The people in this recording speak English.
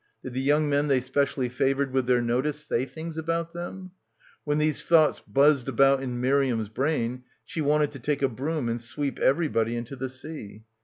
Did the young men they specially favoured with their notice say things about them? When these thoughts buzzed about in Miriam's brain she wanted to take a broom and sweep everybody into the sea.